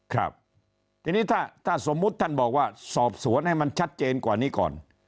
ครับทีนี้ถ้าสมมุติท่านบอกว่าสอบสวนให้มันชัดเจนกว่านี้ก่อน